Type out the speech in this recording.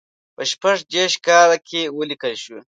په شپږ دېرش کال کې ولیکل شو.